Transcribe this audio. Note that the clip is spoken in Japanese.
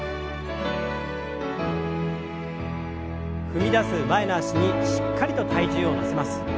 踏み出す前の脚にしっかりと体重を乗せます。